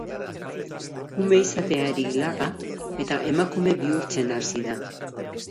Ume izateari laga eta emakume bihurtzen hasi da.